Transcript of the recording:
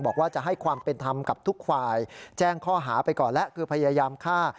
บอกว่าจะให้ความเป็นธรรมกับทุกฝ่ายแจ้งข้อหาไปก่อนแล้วคือพยายามฆ่า